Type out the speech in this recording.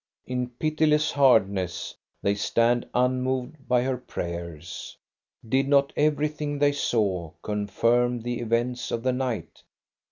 In pitiless hardness they stand, unmoved by her prayers. Did not everything they saw confirm the events of the night